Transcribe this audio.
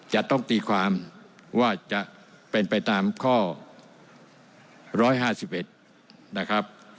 จะต้องตีความว่าจะเป็นไปตามข้อร้อยห้าสิบเอ็ดนะครับ